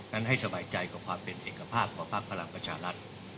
ให้สบายใจกับความเป็นเอกภาพของภาคพลังประชารัฐ